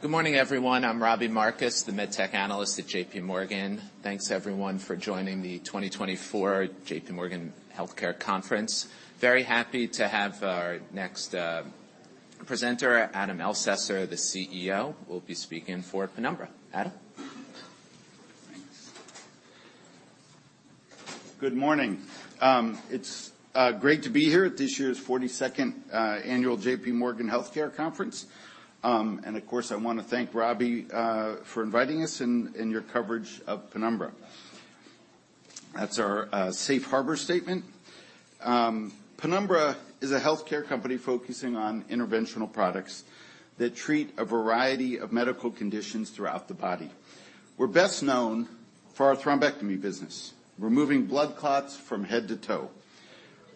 Good morning, everyone. I'm Robbie Marcus, the med tech analyst at J.P. Morgan. Thanks, everyone, for joining the 2024 J.P. Morgan Healthcare Conference. Very happy to have our next presenter, Adam Elsesser, the CEO, will be speaking for Penumbra. Adam? Thanks. Good morning. It's great to be here at this year's 42nd annual J.P. Morgan Healthcare Conference. Of course, I want to thank Robbie for inviting us and your coverage of Penumbra. That's our safe harbor statement. Penumbra is a healthcare company focusing on interventional products that treat a variety of medical conditions throughout the body. We're best known for our thrombectomy business, removing blood clots from head to toe.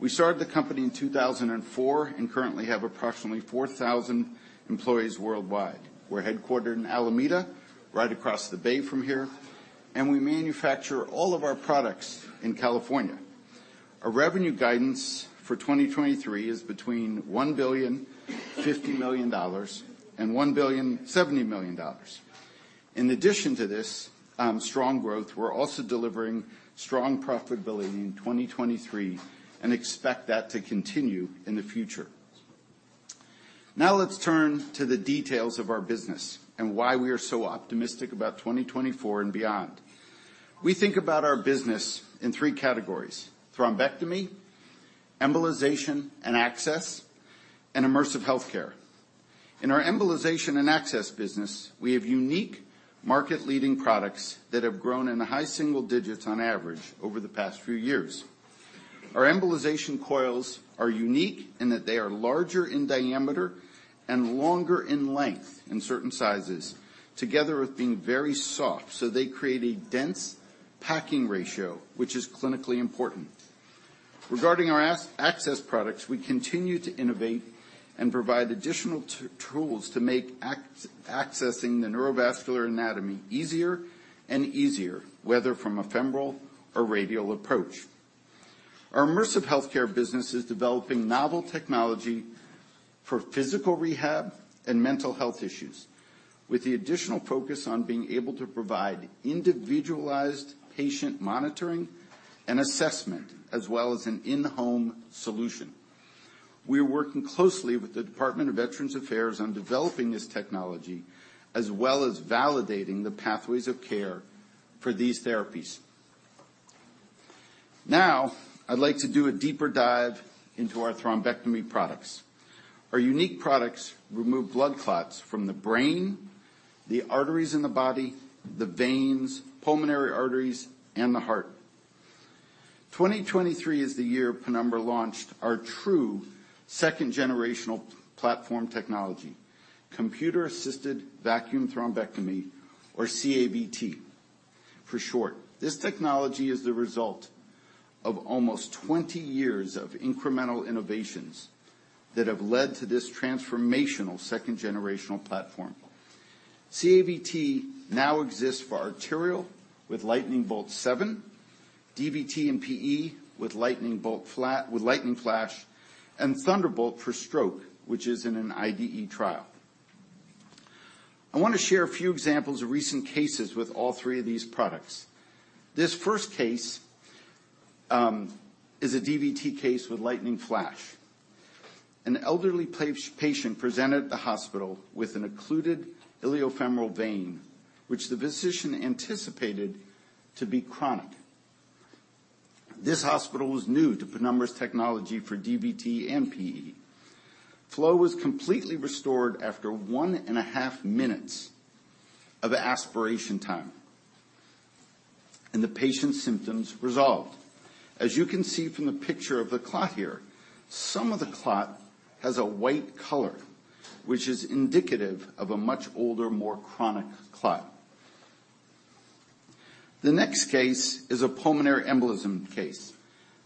We started the company in 2004 and currently have approximately 4,000 employees worldwide. We're headquartered in Alameda, right across the bay from here, and we manufacture all of our products in California. Our revenue guidance for 2023 is between $1.05 billion and $1.07 billion. In addition to this, strong growth, we're also delivering strong profitability in 2023 and expect that to continue in the future. Now, let's turn to the details of our business and why we are so optimistic about 2024 and beyond. We think about our business in three categories: thrombectomy, embolization and access, and immersive healthcare. In our embolization and access business, we have unique market-leading products that have grown in the high single digits on average over the past few years. Our embolization coils are unique in that they are larger in diameter and longer in length in certain sizes, together with being very soft, so they create a dense packing ratio, which is clinically important. Regarding our access products, we continue to innovate and provide additional tools to make accessing the neurovascular anatomy easier and easier, whether from a femoral or radial approach. Our immersive healthcare business is developing novel technology for physical rehab and mental health issues, with the additional focus on being able to provide individualized patient monitoring and assessment, as well as an in-home solution. We are working closely with the Department of Veterans Affairs on developing this technology, as well as validating the pathways of care for these therapies. Now, I'd like to do a deeper dive into our thrombectomy products. Our unique products remove blood clots from the brain, the arteries in the body, the veins, pulmonary arteries, and the heart. 2023 is the year Penumbra launched our true second-generational platform technology, Computer-Assisted Vacuum Thrombectomy, or CAVT for short. This technology is the result of almost 20 years of incremental innovations that have led to this transformational second-generational platform. CAVT now exists for arterial with Lightning Bolt 7, DVT and PE with Lightning Flash, and Thunderbolt for stroke, which is in an IDE trial. I want to share a few examples of recent cases with all three of these products. This first case is a DVT case with Lightning Flash. An elderly patient presented at the hospital with an occluded iliofemoral vein, which the physician anticipated to be chronic. This hospital was new to Penumbra's technology for DVT and PE. Flow was completely restored after 1.5 minutes of aspiration time, and the patient's symptoms resolved. As you can see from the picture of the clot here, some of the clot has a white color, which is indicative of a much older, more chronic clot. The next case is a pulmonary embolism case.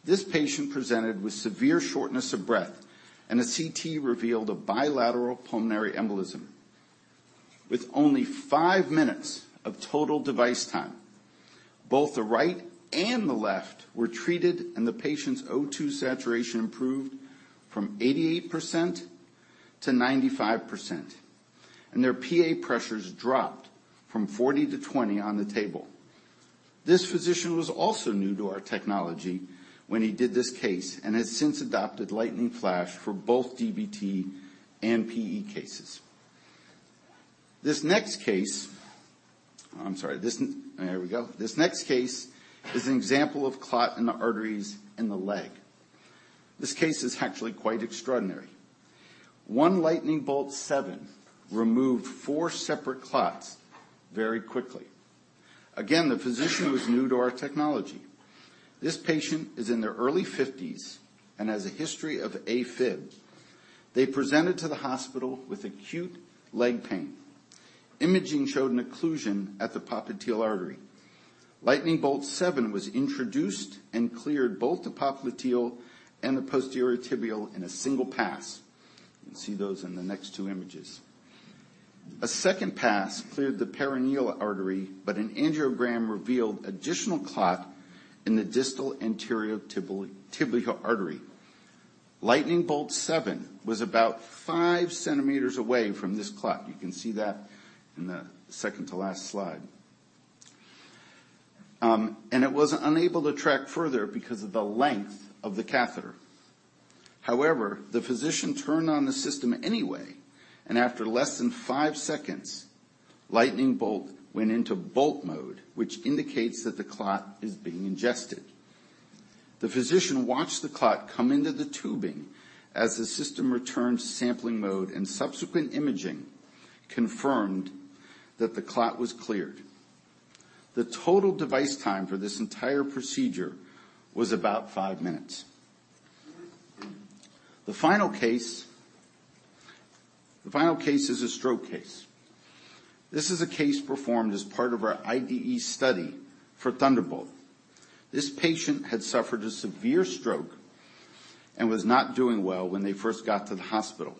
This patient presented with severe shortness of breath, and a CT revealed a bilateral pulmonary embolism. With only five minutes of total device time, both the right and the left were treated, and the patient's O2 saturation improved from 88% to 95%, and their PA pressures dropped from 40 to 20 on the table. This physician was also new to our technology when he did this case and has since adopted Lightning Flash for both DVT and PE cases. This next case is an example of clot in the arteries in the leg. This case is actually quite extraordinary. One Lightning Bolt 7 removed 4 separate clots very quickly. Again, the physician was new to our technology. This patient is in their early fifties and has a history of AFib. They presented to the hospital with acute leg pain. Imaging showed an occlusion at the popliteal artery. Lightning Bolt 7 was introduced and cleared both the popliteal and the posterior tibial in a single pass. You can see those in the next 2 images. A second pass cleared the peroneal artery, but an angiogram revealed additional clot in the distal anterior tibial artery.... Lightning Bolt 7 was about 5 centimeters away from this clot. You can see that in the second to last slide. And it was unable to track further because of the length of the catheter. However, the physician turned on the system anyway, and after less than 5 seconds, Lightning Bolt 7 went into Bolt Mode, which indicates that the clot is being ingested. The physician watched the clot come into the tubing as the system returned to sampling mode, and subsequent imaging confirmed that the clot was cleared. The total device time for this entire procedure was about 5 minutes. The final case, the final case is a stroke case. This is a case performed as part of our IDE study for Thunderbolt. This patient had suffered a severe stroke and was not doing well when they first got to the hospital.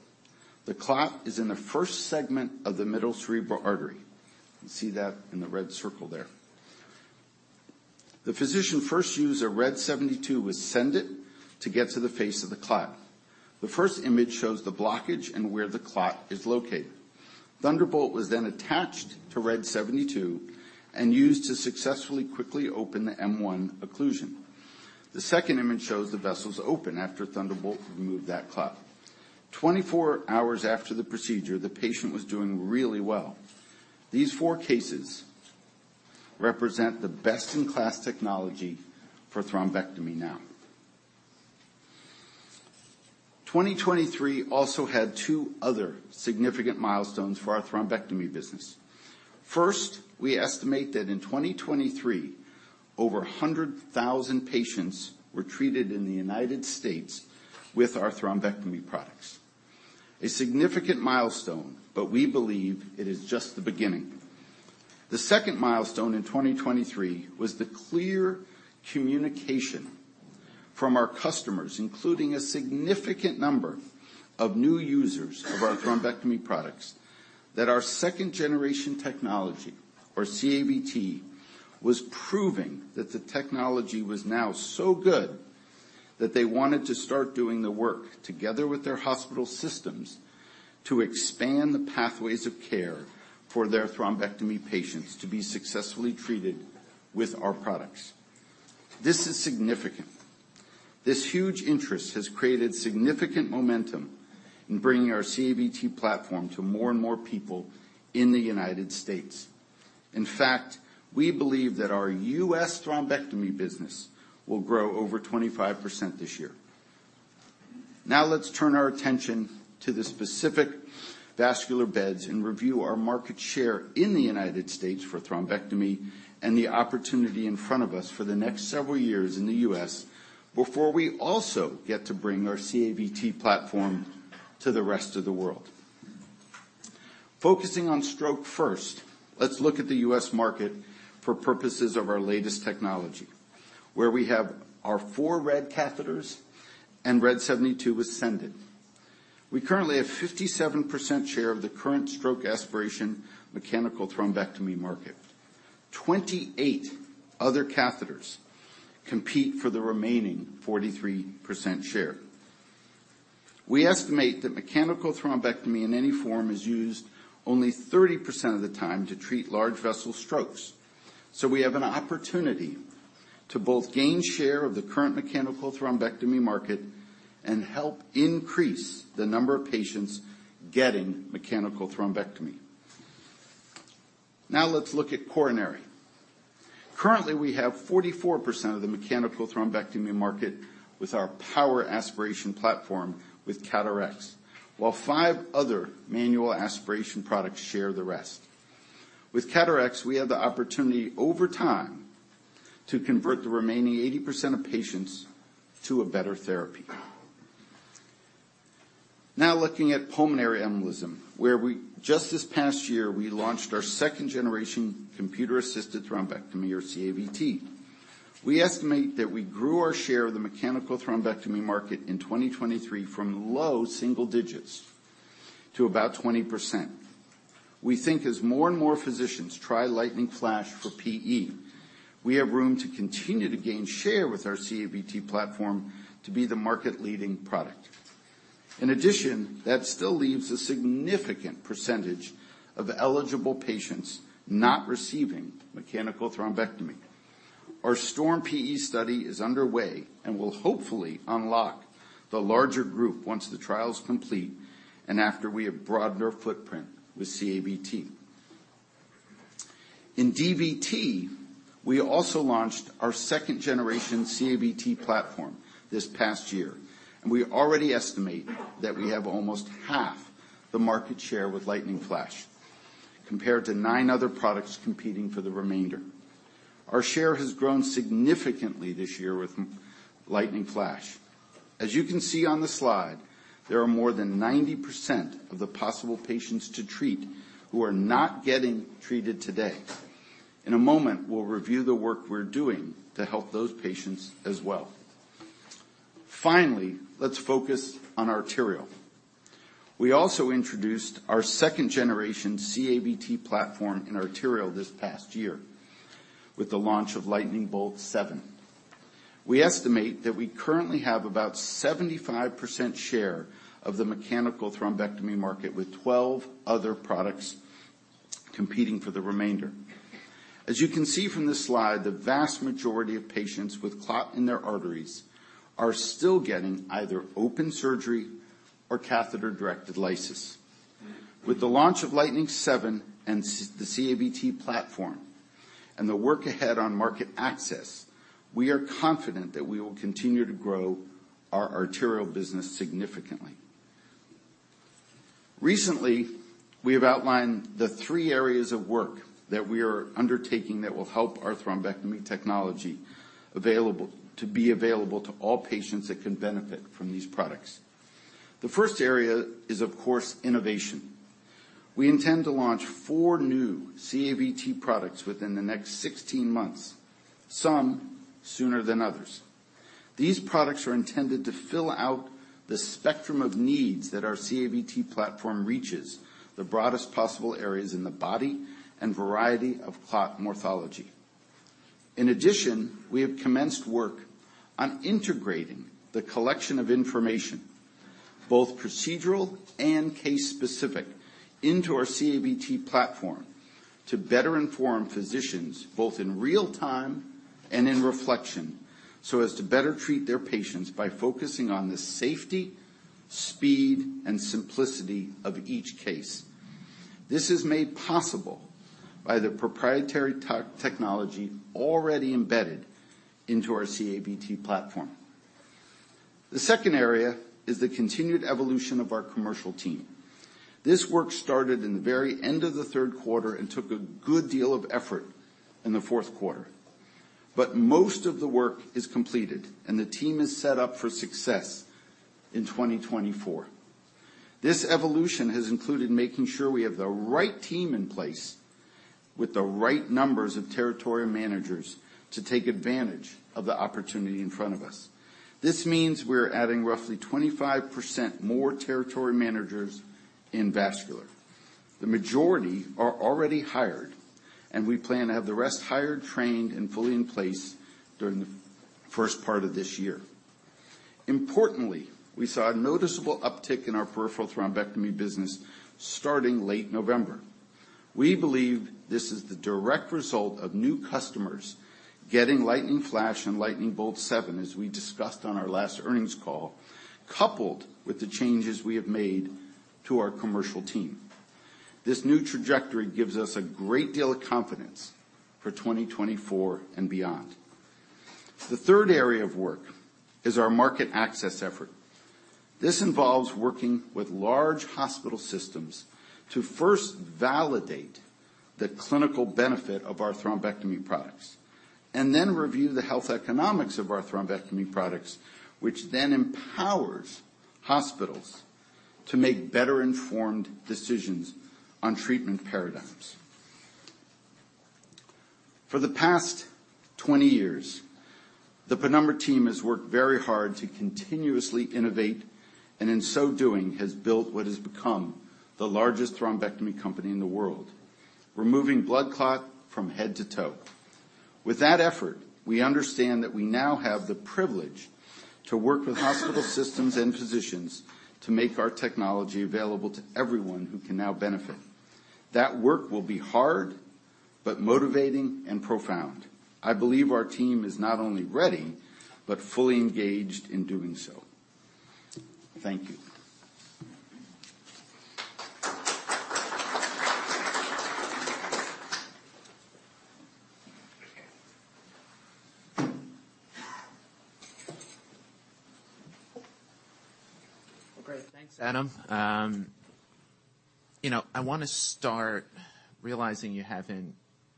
The clot is in the first segment of the middle Cerebral Artery. You can see that in the red circle there. The physician first used a RED 72 with SENDit to get to the face of the clot. The first image shows the blockage and where the clot is located. Thunderbolt was then attached to RED 72 and used to successfully, quickly open the M1 occlusion. The second image shows the vessels open after Thunderbolt removed that clot. 24 hours after the procedure, the patient was doing really well. These four cases represent the best-in-class technology for thrombectomy now. 2023 also had two other significant milestones for our thrombectomy business. First, we estimate that in 2023, over 100,000 patients were treated in the United States with our thrombectomy products. A significant milestone, but we believe it is just the beginning. The second milestone in 2023 was the clear communication from our customers, including a significant number of new users of our thrombectomy products, that our second-generation technology, or CAVT, was proving that the technology was now so good that they wanted to start doing the work together with their hospital systems to expand the pathways of care for their thrombectomy patients to be successfully treated with our products. This is significant. This huge interest has created significant momentum in bringing our CAVT platform to more and more people in the United States. In fact, we believe that our U.S. thrombectomy business will grow over 25% this year. Now, let's turn our attention to the specific vascular beds and review our market share in the United States for thrombectomy and the opportunity in front of us for the next several years in the U.S., before we also get to bring our CAVT platform to the rest of the world. Focusing on stroke first, let's look at the U.S. market for purposes of our latest technology, where we have our 4 RED catheters and RED 72 with SENDit. We currently have 57% share of the current stroke aspiration mechanical thrombectomy market. 28 other catheters compete for the remaining 43% share. We estimate that mechanical thrombectomy, in any form, is used only 30% of the time to treat large vessel strokes. So we have an opportunity to both gain share of the current mechanical thrombectomy market and help increase the number of patients getting mechanical thrombectomy. Now, let's look at coronary. Currently, we have 44% of the mechanical thrombectomy market with our power aspiration platform with CAT RX, while five other manual aspiration products share the rest. With CAT RX, we have the opportunity over time to convert the remaining 80% of patients to a better therapy. Now, looking at pulmonary embolism, where we just this past year, we launched our second-generation computer-assisted thrombectomy, or CAVT. We estimate that we grew our share of the mechanical thrombectomy market in 2023 from low single digits to about 20%. We think as more and more physicians try Lightning Flash for PE, we have room to continue to gain share with our CAVT platform to be the market-leading product. In addition, that still leaves a significant percentage of eligible patients not receiving mechanical thrombectomy. Our STORM-PE study is underway and will hopefully unlock the larger group once the trial is complete and after we have broadened our footprint with CAVT. In DVT, we also launched our second-generation CAVT platform this past year, and we already estimate that we have almost half the market share with Lightning Flash, compared to nine other products competing for the remainder. Our share has grown significantly this year with Lightning Flash. As you can see on the slide, there are more than 90% of the possible patients to treat who are not getting treated today. In a moment, we'll review the work we're doing to help those patients as well. Finally, let's focus on arterial.... We also introduced our second generation CAVT platform in arterial this past year, with the launch of Lightning Bolt 7. We estimate that we currently have about 75% share of the mechanical thrombectomy market, with 12 other products competing for the remainder. As you can see from this slide, the vast majority of patients with clot in their arteries are still getting either open surgery or catheter-directed lysis. With the launch of Lightning 7 and the CAVT platform and the work ahead on market access, we are confident that we will continue to grow our arterial business significantly. Recently, we have outlined the three areas of work that we are undertaking that will help our thrombectomy technology available, to be available to all patients that can benefit from these products. The first area is, of course, innovation. We intend to launch four new CAVT products within the next 16 months, some sooner than others. These products are intended to fill out the spectrum of needs that our CAVT platform reaches, the broadest possible areas in the body and variety of clot morphology. In addition, we have commenced work on integrating the collection of information, both procedural and case-specific, into our CAVT platform, to better inform physicians, both in real time and in reflection, so as to better treat their patients by focusing on the safety, speed, and simplicity of each case. This is made possible by the proprietary tech, technology already embedded into our CAVT platform. The second area is the continued evolution of our commercial team. This work started in the very end of the third quarter and took a good deal of effort in the fourth quarter. But most of the work is completed, and the team is set up for success in 2024. This evolution has included making sure we have the right team in place, with the right numbers of territory managers, to take advantage of the opportunity in front of us. This means we're adding roughly 25% more territory managers in vascular. The majority are already hired, and we plan to have the rest hired, trained, and fully in place during the first part of this year. Importantly, we saw a noticeable uptick in our peripheral thrombectomy business starting late November. We believe this is the direct result of new customers getting Lightning Flash and Lightning Bolt 7, as we discussed on our last earnings call, coupled with the changes we have made to our commercial team. This new trajectory gives us a great deal of confidence for 2024 and beyond. The third area of work is our market access effort. This involves working with large hospital systems to first validate the clinical benefit of our thrombectomy products, and then review the health economics of our thrombectomy products, which then empowers hospitals to make better informed decisions on treatment paradigms. For the past 20 years, the Penumbra team has worked very hard to continuously innovate, and in so doing, has built what has become the largest thrombectomy company in the world, removing blood clot from head to toe. With that effort, we understand that we now have the privilege to work with hospital systems and physicians to make our technology available to everyone who can now benefit. That work will be hard, but motivating and profound. I believe our team is not only ready, but fully engaged in doing so. Thank you. Well, great. Thanks, Adam. You know, I want to start realizing you haven't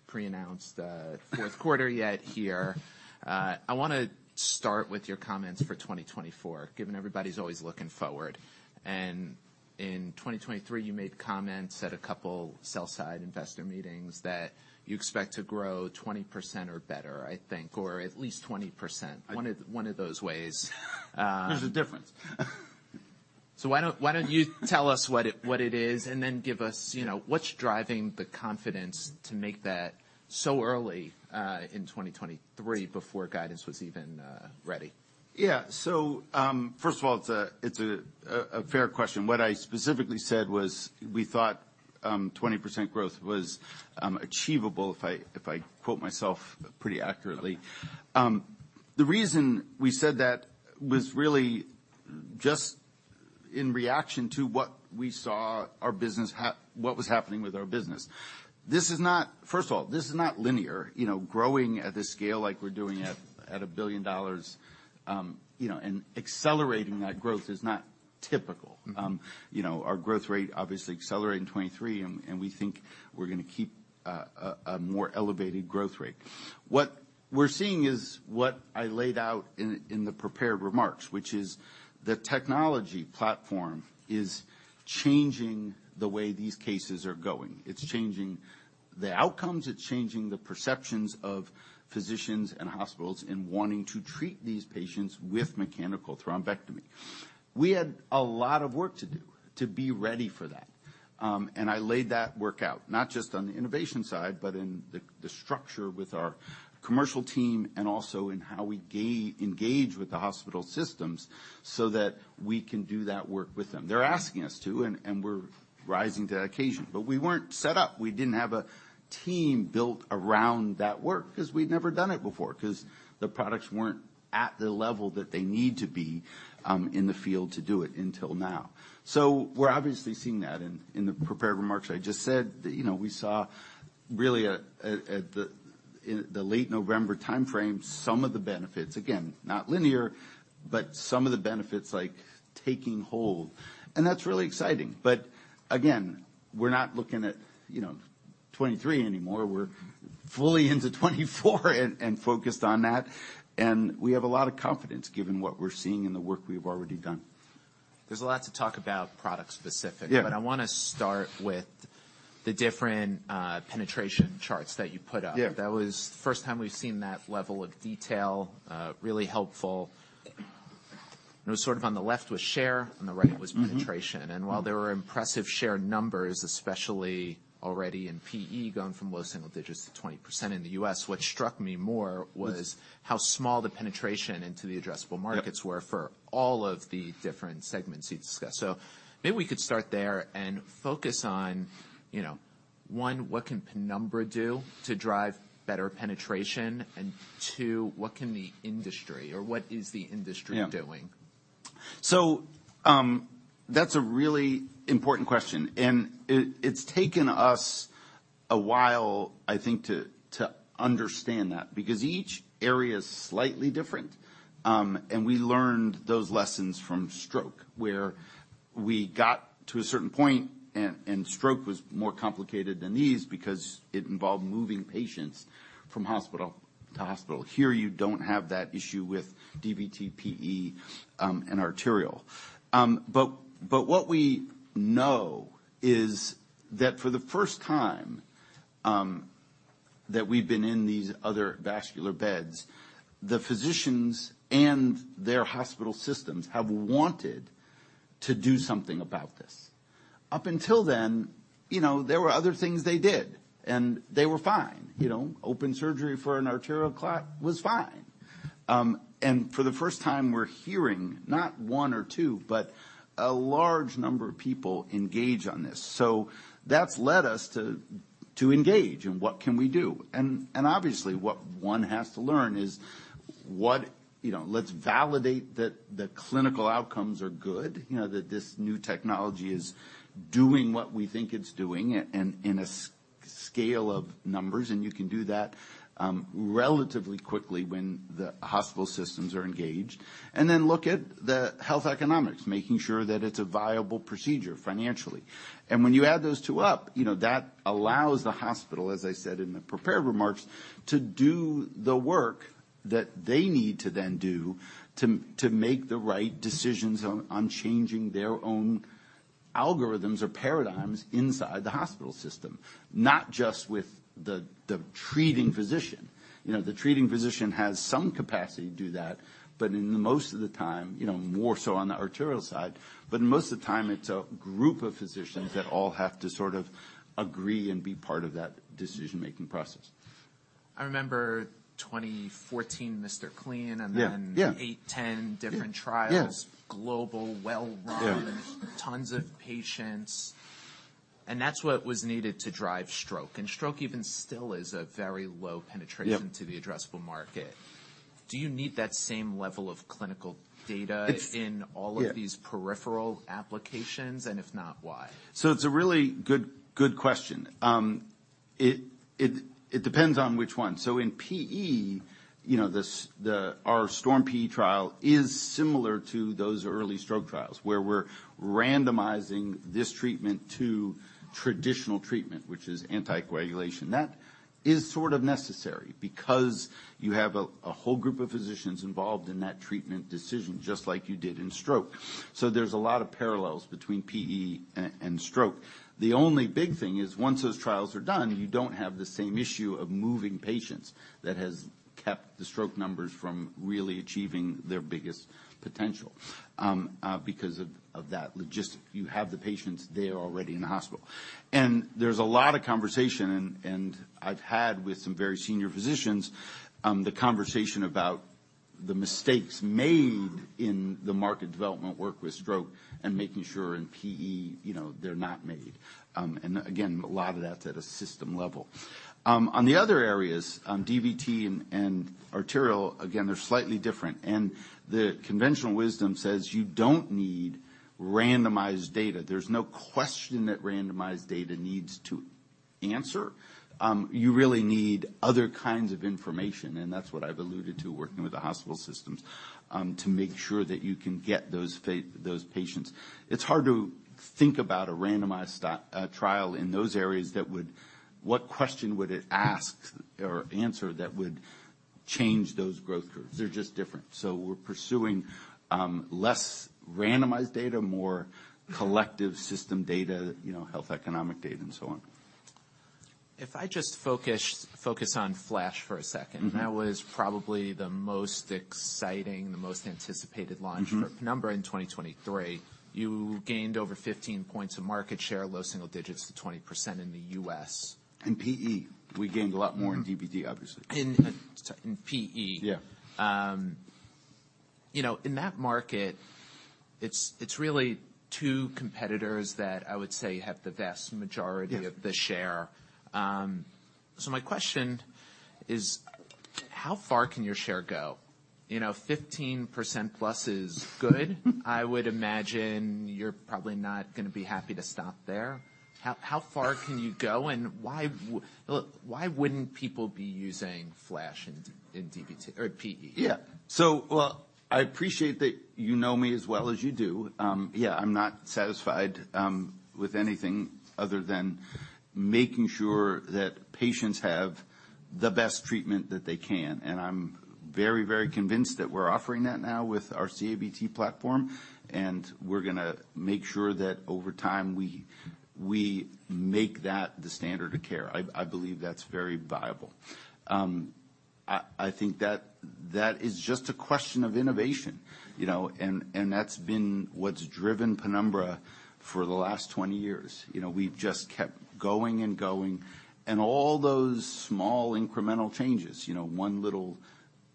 pre-announced the fourth quarter yet here. I want to start with your comments for 2024, given everybody's always looking forward. In 2023, you made comments at a couple sell-side investor meetings that you expect to grow 20% or better, I think, or at least 20%. One of those ways. There's a difference. Why don't you tell us what it is, and then give us, you know, what's driving the confidence to make that so early in 2023 before guidance was even ready? Yeah. So, first of all, it's a fair question. What I specifically said was, we thought 20% growth was achievable, if I quote myself pretty accurately. The reason we said that was really just in reaction to what we saw what was happening with our business. This is not... First of all, this is not linear. You know, growing at this scale like we're doing at $1 billion, you know, and accelerating that growth is not typical. Mm-hmm. You know, our growth rate obviously accelerated in 2023, and we think we're going to keep a more elevated growth rate. What we're seeing is what I laid out in the prepared remarks, which is the technology platform is changing the way these cases are going. It's changing the outcomes are changing the perceptions of physicians and hospitals in wanting to treat these patients with mechanical thrombectomy. We had a lot of work to do to be ready for that. And I laid that work out, not just on the innovation side, but in the structure with our commercial team and also in how we engage with the hospital systems so that we can do that work with them. They're asking us to, and we're rising to the occasion. But we weren't set up. We didn't have a team built around that work because we'd never done it before, because the products weren't at the level that they need to be in the field to do it until now. So we're obviously seeing that in the prepared remarks I just said. That, you know, we saw really in the late November time frame, some of the benefits. Again, not linear, but some of the benefits like taking hold, and that's really exciting. But again, we're not looking at, you know, 2023 anymore. We're fully into 2024 and focused on that, and we have a lot of confidence, given what we're seeing in the work we've already done. There's a lot to talk about product specific. Yeah. But I want to start with the different penetration charts that you put up. Yeah. That was the first time we've seen that level of detail, really helpful. It was sort of on the left was share, on the right was- Mm-hmm... penetration. While there were impressive share numbers, especially already in PE, going from low single digits to 20% in the U.S., what struck me more was- Mm... how small the penetration into the addressable markets were- Yeah... for all of the different segments you discussed. So maybe we could start there and focus on, you know, one, what can Penumbra do to drive better penetration? And two, what can the industry or what is the industry doing? Yeah. That's a really important question, and it's taken us a while, I think, to understand that, because each area is slightly different. We learned those lessons from stroke, where we got to a certain point and stroke was more complicated than these because it involved moving patients from hospital to hospital. Here, you don't have that issue with DVT, PE, and arterial. What we know is that for the first time that we've been in these other vascular beds, the physicians and their hospital systems have wanted to do something about this. Up until then, you know, there were other things they did, and they were fine. You know, open surgery for an arterial clot was fine. And for the first time, we're hearing not one or two, but a large number of people engage on this. So that's led us to engage in what can we do? And obviously, what one has to learn is what... You know, let's validate that the clinical outcomes are good. You know, that this new technology is doing what we think it's doing in a scale of numbers, and you can do that, relatively quickly when the hospital systems are engaged. And then look at the health economics, making sure that it's a viable procedure financially. And when you add those two up, you know, that allows the hospital, as I said in the prepared remarks, to do the work that they need to do to make the right decisions on changing their own algorithms or paradigms inside the hospital system, not just with the treating physician. You know, the treating physician has some capacity to do that, but in most of the time, you know, more so on the arterial side, but most of the time, it's a group of physicians that all have to sort of agree and be part of that decision-making process. I remember 2014, MR CLEAN- Yeah, yeah. and then 8, 10 different trials. Yeah. Global, well-run. Yeah. Tons of patients, and that's what was needed to drive stroke. Stroke even still is a very low penetration- Yeah... to the addressable market. Do you need that same level of clinical data? It's- in all of these Yeah Peripheral applications? And if not, why? So it's a really good, good question. It depends on which one. So in PE, you know, our STORM-PE trial is similar to those early stroke trials, where we're randomizing this treatment to traditional treatment, which is anticoagulation. That is sort of necessary because you have a whole group of physicians involved in that treatment decision, just like you did in stroke. So there's a lot of parallels between PE and stroke. The only big thing is, once those trials are done, you don't have the same issue of moving patients. That has kept the stroke numbers from really achieving their biggest potential. Because of that logistic, you have the patients there already in the hospital. There's a lot of conversation, and I've had with some very senior physicians, the conversation about the mistakes made in the market development work with stroke and making sure in PE, you know, they're not made. And again, a lot of that's at a system level. On the other areas, DVT and arterial, again, they're slightly different, and the conventional wisdom says you don't need randomized data. There's no question that randomized data needs to answer. You really need other kinds of information, and that's what I've alluded to working with the hospital systems, to make sure that you can get those patients. It's hard to think about a randomized trial in those areas that would... What question would it ask or answer that would-... change those growth curves. They're just different. We're pursuing less randomized data, more collective system data, you know, health economic data, and so on. If I just focus on Flash for a second- Mm-hmm. that was probably the most exciting, the most anticipated launch Mm-hmm -for Penumbra in 2023. You gained over 15 points of market share, low single digits to 20% in the U.S. In PE. We gained a lot more- Mm-hmm in DVT, obviously. In PE. Yeah. You know, in that market, it's really two competitors that I would say have the vast majority- Yeah -of the share. So my question is: How far can your share go? You know, 15% plus is good. I would imagine you're probably not gonna be happy to stop there. How far can you go, and why look, why wouldn't people be using Flash in DVT or PE? Yeah. So, well, I appreciate that you know me as well as you do. Yeah, I'm not satisfied with anything other than making sure that patients have the best treatment that they can, and I'm very, very convinced that we're offering that now with our CAVT platform, and we're gonna make sure that over time, we make that the standard of care. I believe that's very viable. I think that is just a question of innovation, you know, and that's been what's driven Penumbra for the last 20 years. You know, we've just kept going and going, and all those small, incremental changes, you know, one little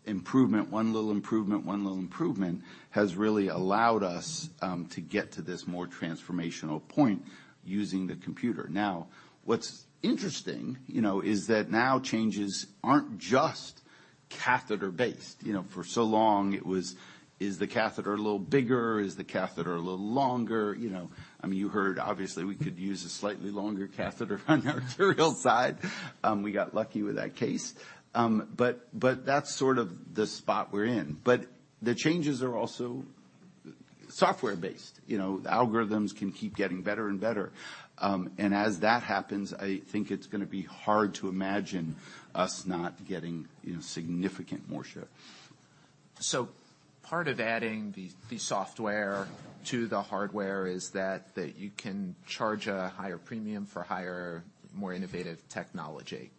improvement, one little improvement, one little improvement, has really allowed us to get to this more transformational point using the computer. Now, what's interesting, you know, is that now changes aren't just catheter-based. You know, for so long it was, "Is the catheter a little bigger? Is the catheter a little longer?" You know, I mean, you heard obviously, we could use a slightly longer catheter on the arterial side. We got lucky with that case. But, but that's sort of the spot we're in. But the changes are also software-based. You know, the algorithms can keep getting better and better. And as that happens, I think it's gonna be hard to imagine us not getting, you know, significant more share. So part of adding the software to the hardware is that you can charge a higher premium for higher, more innovative technology,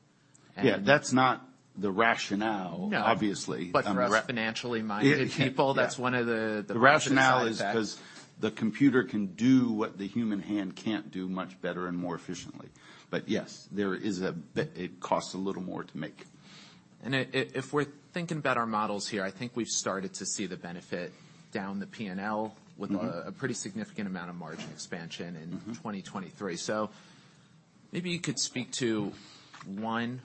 and- Yeah, that's not the rationale- No... obviously. But for us financially-minded people- Yeah, yeah that's one of the The rationale is- -side effects... because the computer can do what the human hand can't do much better and more efficiently. But yes, there is a bit. It costs a little more to make. If we're thinking about our models here, I think we've started to see the benefit down the P&L. Mm-hmm... with a pretty significant amount of margin expansion in- Mm-hmm 2023. So maybe you could speak to, one,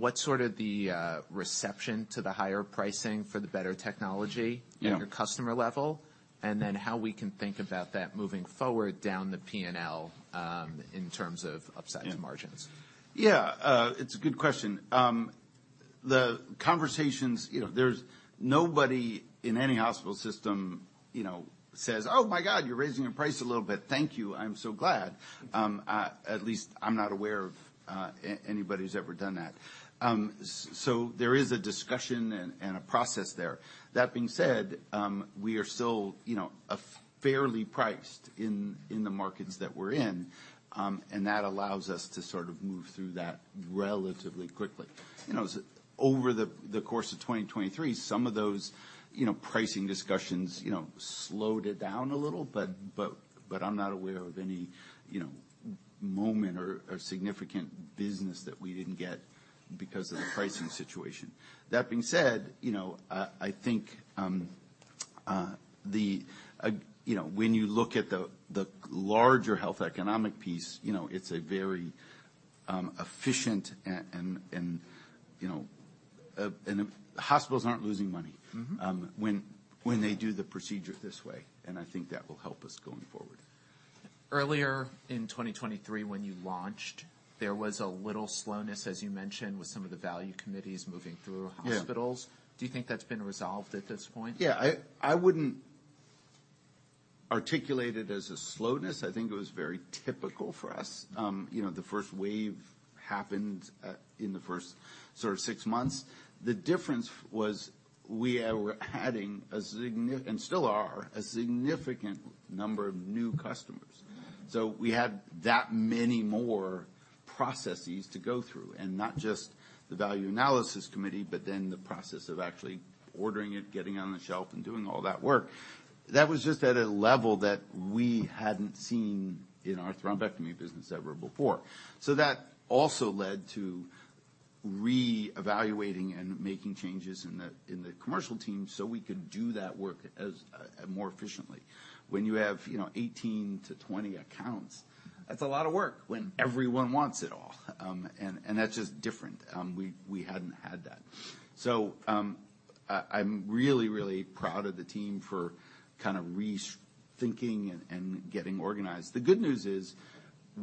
what's sort of the reception to the higher pricing for the better technology- Yeah... at your customer level, and then how we can think about that moving forward down the PNL, in terms of upside- Yeah -margins. Yeah, it's a good question. The conversations... You know, there's nobody in any hospital system, you know, says: "Oh, my God, you're raising your price a little bit. Thank you. I'm so glad." At least I'm not aware of anybody who's ever done that. So there is a discussion and a process there. That being said, we are still, you know, a fairly priced in the markets that we're in, and that allows us to sort of move through that relatively quickly. You know, over the course of 2023, some of those, you know, pricing discussions, you know, slowed it down a little, but I'm not aware of any, you know, moment or significant business that we didn't get because of the pricing situation. That being said, you know, I think the larger health economic piece, you know, it's a very efficient and, and, you know, and hospitals aren't losing money- Mm-hmm When they do the procedure this way, and I think that will help us going forward. Earlier in 2023, when you launched, there was a little slowness, as you mentioned, with some of the value committees moving through hospitals. Yeah. Do you think that's been resolved at this point? Yeah. I wouldn't articulate it as a slowness. I think it was very typical for us. You know, the first wave happened in the first sort of six months. The difference was we are adding, and still are, a significant number of new customers. So we had that many more processes to go through and not just the value analysis committee, but then the process of actually ordering it, getting it on the shelf, and doing all that work. That was just at a level that we hadn't seen in our thrombectomy business ever before. So that also led to re-evaluating and making changes in the commercial team so we could do that work as more efficiently. When you have, you know, 18-20 accounts, that's a lot of work when everyone wants it all. And that's just different. We hadn't had that. So, I’m really, really proud of the team for kind of rethinking and getting organized. The good news is,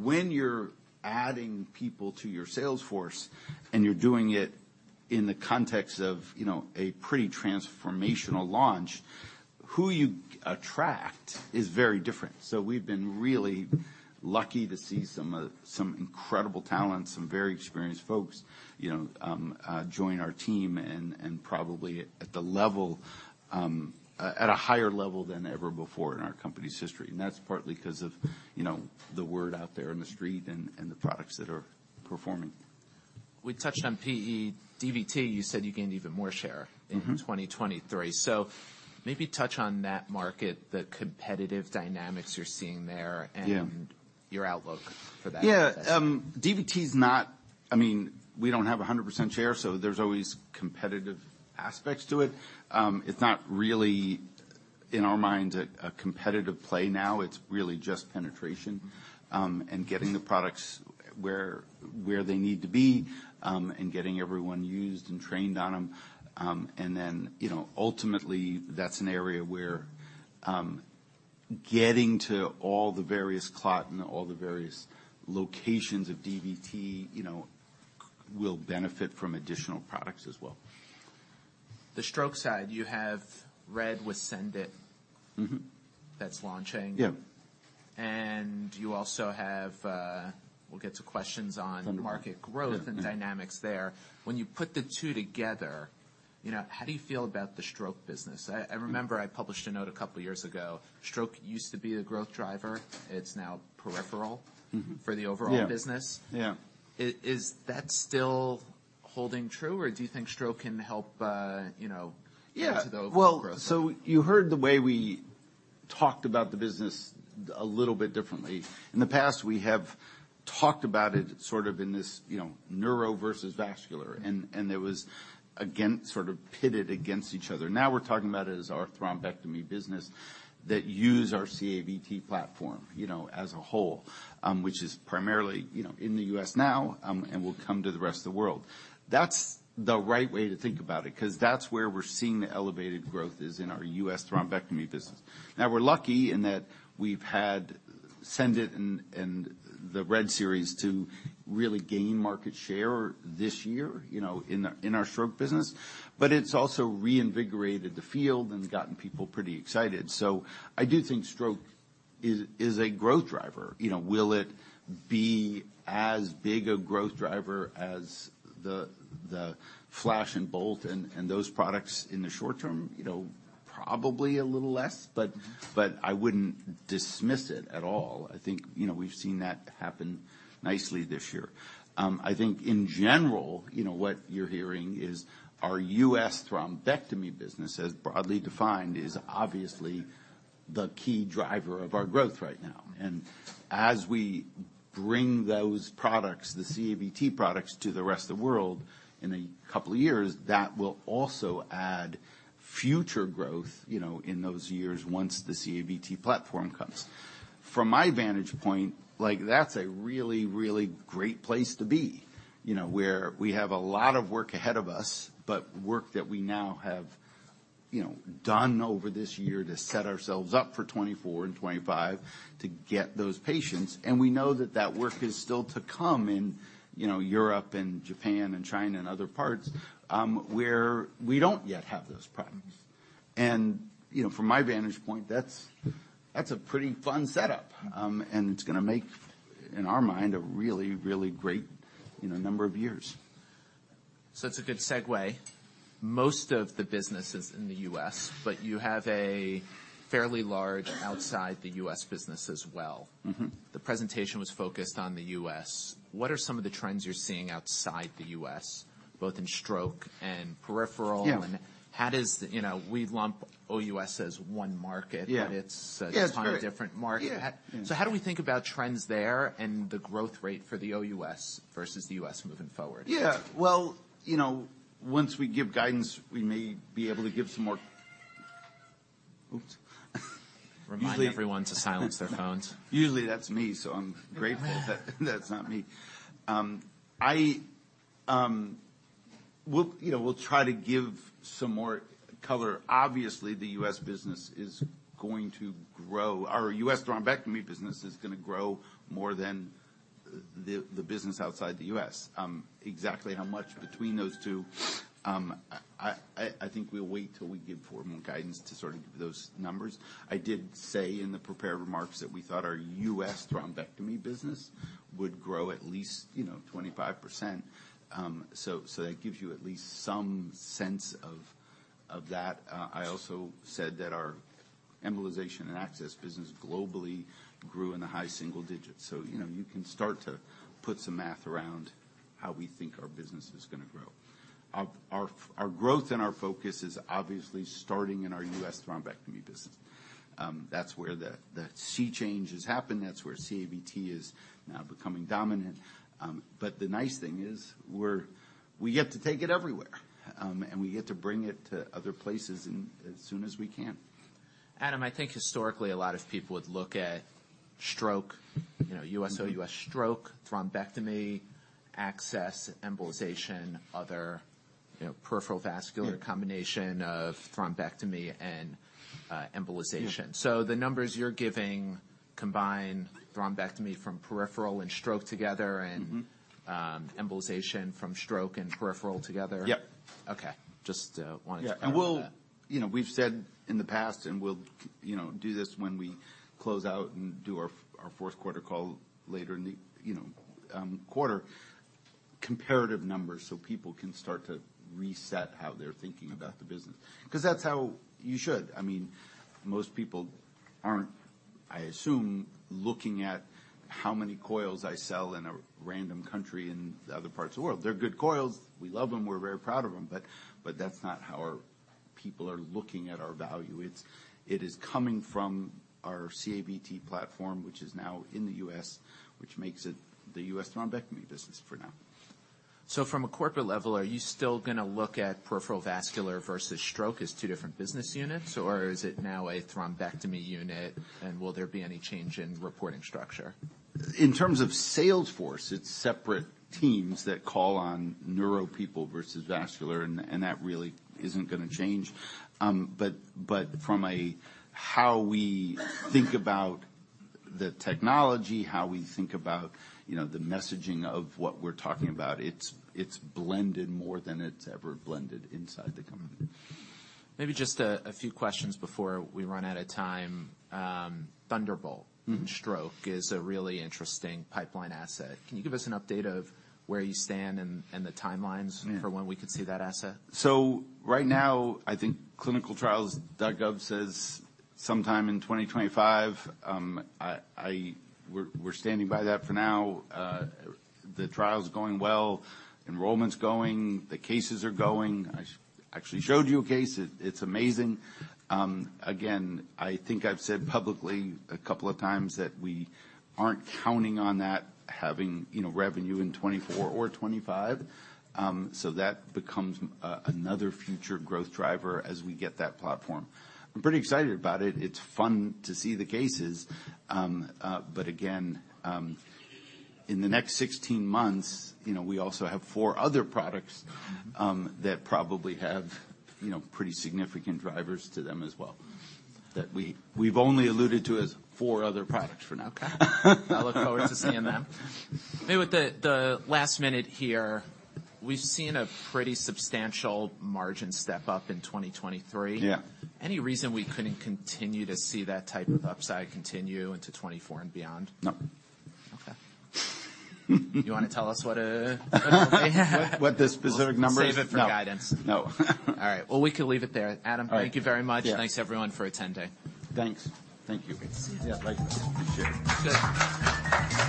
when you're adding people to your sales force, and you're doing it in the context of, you know, a pretty transformational launch—who you attract is very different. So we've been really lucky to see some incredible talent, some very experienced folks, you know, join our team and probably at a higher level than ever before in our company's history. And that's partly 'cause of, you know, the word out there in the street and the products that are performing. We touched on PE. DVT, you said you gained even more share- Mm-hmm. -in 2023. So maybe touch on that market, the competitive dynamics you're seeing there- Yeah and your outlook for that? Yeah, DVT's not... I mean, we don't have a 100% share, so there's always competitive aspects to it. It's not really, in our minds, a competitive play now. It's really just penetration- Mm-hmm... and getting the products where, where they need to be, and getting everyone used and trained on them. And then, you know, ultimately, that's an area where, getting to all the various clot and all the various locations of DVT, you know, will benefit from additional products as well. The stroke side, you have RED with SENDit. Mm-hmm. That's launching. Yeah. And you also have, we'll get to questions on- Mm-hmm -market growth- Yeah and dynamics there. When you put the two together, you know, how do you feel about the stroke business? Mm. I remember I published a note a couple of years ago. Stroke used to be a growth driver. It's now peripheral- Mm-hmm for the overall business. Yeah, yeah. Is that still holding true, or do you think stroke can help, you know- Yeah into the overall growth? Well, so you heard the way we talked about the business a little bit differently. In the past, we have talked about it sort of in this, you know, neuro versus vascular, and, and it was against, sort of pitted against each other. Now, we're talking about it as our thrombectomy business that use our CAVT platform, you know, as a whole, which is primarily, you know, in the U.S. now, and will come to the rest of the world. That's the right way to think about it, 'cause that's where we're seeing the elevated growth is in our U.S. thrombectomy business. Now, we're lucky in that we've had SENDit and, and the RED series to really gain market share this year, you know, in our, in our stroke business, but it's also reinvigorated the field and gotten people pretty excited. So I do think stroke is a growth driver. You know, will it be as big a growth driver as the Flash and Bolt and those products in the short term? You know, probably a little less, but I wouldn't dismiss it at all. I think, you know, we've seen that happen nicely this year. I think in general, you know, what you're hearing is our U.S. thrombectomy business, as broadly defined, is obviously the key driver of our growth right now. And as we bring those products, the CAVT products, to the rest of the world in a couple of years, that will also add future growth, you know, in those years, once the CAVT platform comes. From my vantage point, like, that's a really, really great place to be. You know, where we have a lot of work ahead of us, but work that we now have, you know, done over this year to set ourselves up for 2024 and 2025 to get those patients. And we know that that work is still to come in, you know, Europe and Japan and China and other parts, where we don't yet have those products. And, you know, from my vantage point, that's, that's a pretty fun setup. And it's gonna make, in our mind, a really, really great, you know, number of years. It's a good segue. Most of the business is in the U.S., but you have a fairly large outside the U.S. business as well. Mm-hmm. The presentation was focused on the U.S. What are some of the trends you're seeing outside the U.S., both in stroke and peripheral? Yeah. How does... You know, we lump OUS as one market. Yeah. But it's, Yeah, it's very- -different market. Yeah. How do we think about trends there and the growth rate for the OUS versus the US moving forward? Yeah, well, you know, once we give guidance, we may be able to give some more. Oops! Remind everyone to silence their phones. Usually, that's me, so I'm grateful that that's not me. We'll, you know, we'll try to give some more color. Obviously, the U.S. business is going to grow. Our U.S. thrombectomy business is gonna grow more than the business outside the U.S. Exactly how much between those two? I think we'll wait till we give formal guidance to sort of give those numbers. I did say in the prepared remarks that we thought our U.S. thrombectomy business would grow at least, you know, 25%. So that gives you at least some sense of that. I also said that our embolization and access business globally grew in the high single digits. So, you know, you can start to put some math around how we think our business is gonna grow. Our growth and our focus is obviously starting in our US thrombectomy business. That's where the sea change has happened, that's where CAVT is now becoming dominant. But the nice thing is, we get to take it everywhere, and we get to bring it to other places in, as soon as we can. Adam, I think historically, a lot of people would look at stroke, you know- Mm-hmm... US, OUS stroke, thrombectomy, access, embolization, other, you know, peripheral vascular- Yeah -combination of thrombectomy and, embolization. Yeah. So the numbers you're giving combine thrombectomy from peripheral and stroke together and- Mm-hmm. Embolization from stroke and peripheral together? Yep. Okay, just, wanted to- Yeah, and we'll, you know, we've said in the past, and we'll, you know, do this when we close out and do our, our fourth quarter call later in the, you know, quarter, comparative numbers, so people can start to reset how they're thinking about the business. 'Cause that's how you should. I mean, most people aren't, I assume, looking at how many coils I sell in a random country in other parts of the world. They're good coils. We love them. We're very proud of them, but, but that's not how our people are looking at our value. It's, it is coming from our CAVT platform, which is now in the U.S., which makes it the U.S. thrombectomy business for now. From a corporate level, are you still gonna look at peripheral vascular versus stroke as two different business units, or is it now a thrombectomy unit, and will there be any change in reporting structure? In terms of sales force, it's separate teams that call on neuro people versus vascular, and that really isn't gonna change. But from a how we think about the technology, how we think about, you know, the messaging of what we're talking about, it's blended more than it's ever blended inside the company. Maybe just a few questions before we run out of time. Thunderbolt- Mm-hmm. Stroke is a really interesting pipeline asset. Can you give us an update of where you stand and the timelines? Yeah for when we could see that asset? So right now, I think clinicaltrials.gov says sometime in 2025. We're standing by that for now. The trial's going well, enrollment's going, the cases are going. I actually showed you a case. It's amazing. Again, I think I've said publicly a couple of times that we aren't counting on that having, you know, revenue in 2024 or 2025. So that becomes another future growth driver as we get that platform. I'm pretty excited about it. It's fun to see the cases. But again, in the next 16 months, you know, we also have four other products that probably have, you know, pretty significant drivers to them as well, that we've only alluded to as four other products for now. Okay. I look forward to seeing them. Maybe with the last minute here, we've seen a pretty substantial margin step-up in 2023. Yeah. Any reason we couldn't continue to see that type of upside continue into 2024 and beyond? No. Okay. You wanna tell us what, What the specific numbers- Save it for guidance. No. All right. Well, we can leave it there. Adam- All right. Thank you very much. Yeah. Thanks, everyone, for attending. Thanks. Thank you. See you. Yeah, thank you. Appreciate it.